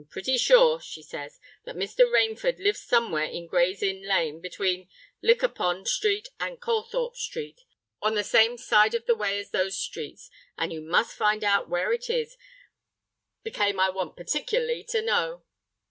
'I'm pretty sure,' she says, '_that Mr. Rainford lives somewhere in Gray's Inn Lane, between Liquorpond Street and Calthorpe Street, on the same side of the way as those streets; and you must find out where it is, became I want particularly to know_.'